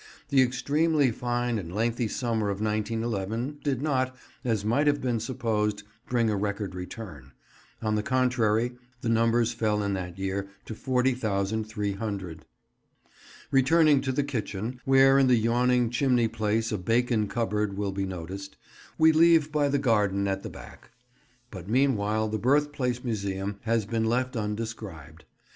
The extremely fine and lengthy summer of 1911 did not, as might have been supposed, bring a record return. On the contrary, the numbers fell in that year to 40,300. Returning to the kitchen, where in the yawning chimney place a bacon cupboard will be noticed, we leave by the garden at the back. But meanwhile the Birthplace Museum has been left undescribed.